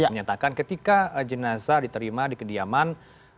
menyatakan ketika jenazah diterima di kediaman